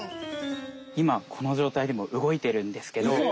今このじょうたいでも動いてるんですけど。